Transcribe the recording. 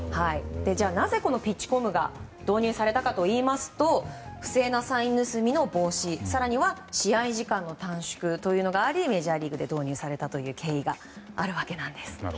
なぜ、ピッチコムが導入されたかといいますと不正なサイン盗みの防止更には試合時間の短縮というのがありメジャーリーグで導入された経緯があるんです。